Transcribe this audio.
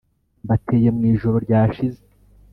Mbateye mwijoro ryashize